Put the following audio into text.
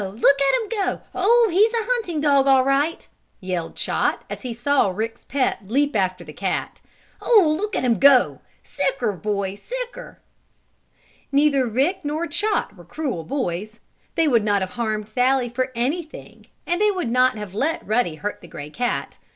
Look at him go! Oh, he's a hunting dog all right!" yelled Chot, as he saw Rick's pet leap after the cat. "Oh, look at him go! Sic her, old boy! Sic her!" Neither Rick nor Chot were cruel boys. They would not have harmed Sallie for anything, and they would not have let Ruddy hurt the gray cat.